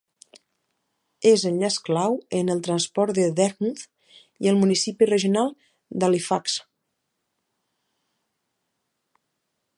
És enllaç clau en el transport de Dartmouth i el municipi regional d'Halifax.